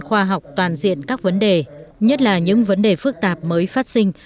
khoa học toàn diện các vấn đề nhất là những vấn đề phức tạp mới phát sinh